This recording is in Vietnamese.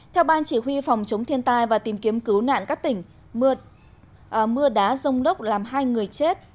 theo ban chỉ huy phòng chống thiên tai và tìm kiếm cứu nạn các tỉnh mưa đá rông lốc làm hai người chết